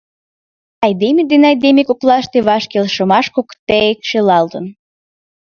Айдеме ден айдеме коклаште ваш келшымаш кокыте шелалтын.